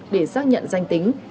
để xác nhận danh tính